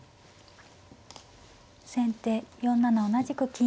先手４七同じく金。